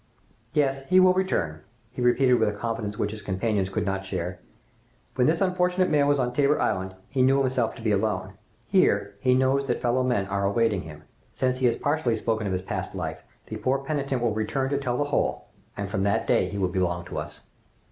"Yes, he will return!" he repeated with a confidence which his companions could not share. "When this unfortunate man was on Tabor Island, he knew himself to be alone! Here, he knows that fellow men are awaiting him! Since he has partially spoken of his past life, the poor penitent will return to tell the whole, and from that day he will belong to us!"